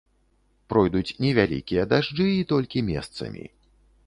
Пройдуць невялікія дажджы і толькі месцамі.